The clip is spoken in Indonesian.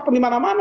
bukan di mana mana